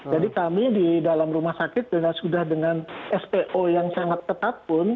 jadi kami di dalam rumah sakit sudah dengan spo yang sangat ketat pun